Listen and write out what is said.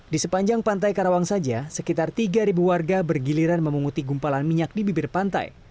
di sepanjang pantai karawang saja sekitar tiga warga bergiliran memunguti gumpalan minyak di bibir pantai